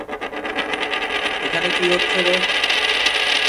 এখানে কী হচ্ছে রে?